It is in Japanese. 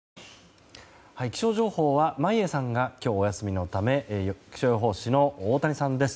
気象情報は眞家さんが今日、お休みのため気象予報士の太谷さんです。